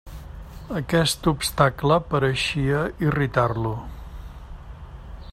Aquest obstacle pareixia irritar-lo.